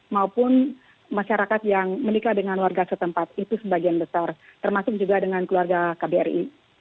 maupun masyarakat yang menikah dengan warga setempat itu sebagian besar termasuk juga dengan keluarga kbri